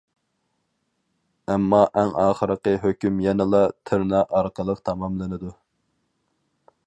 ئەمما ئەڭ ئاخىرقى ھۆكۈم يەنىلا «تىرنا» ئارقىلىق تاماملىنىدۇ.